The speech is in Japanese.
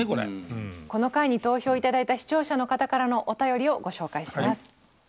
この回に投票頂いた視聴者の方からのお便りをご紹介します。